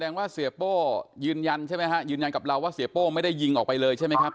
ว่าเสียโป้ยืนยันใช่ไหมฮะยืนยันกับเราว่าเสียโป้ไม่ได้ยิงออกไปเลยใช่ไหมครับ